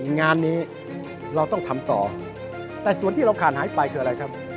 งานนี้เราต้องทำต่อแต่ส่วนที่เราขาดหายไปคืออะไรครับ